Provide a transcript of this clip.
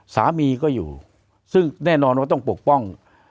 สามีก็อยู่ซึ่งแน่นอนว่าต้องปกป้อง